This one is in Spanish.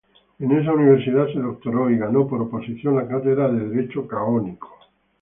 En esa universidad se doctoró y ganó por oposición la cátedra de Derecho canónico.